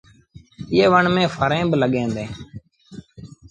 ايئي وڻ ميݩ ڦريٚݩ با لڳيٚن ديٚݩ۔